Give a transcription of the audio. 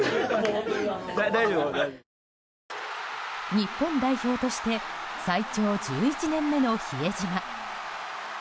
日本代表として最長１１年目の比江島。